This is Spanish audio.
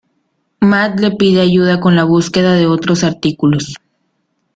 Matt le pide ayuda con la búsqueda de otros artículos.